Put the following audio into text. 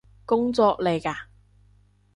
工作嚟嘎？